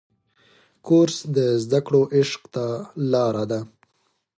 کورس د زده کړو عشق ته لاره ده.